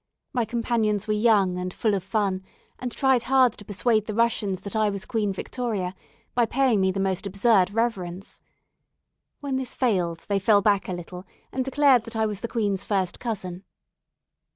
My companions were young and full of fun, and tried hard to persuade the Russians that I was Queen Victoria, by paying me the most absurd reverence. When this failed they fell back a little, and declared that I was the Queen's first cousin.